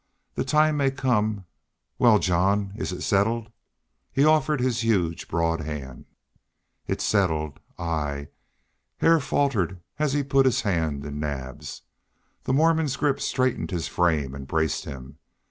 The time may come well, John, is it settled?" He offered his huge broad hand. "It's settled I " Hare faltered as he put his hand in Naab's. The Mormon's grip straightened his frame and braced him.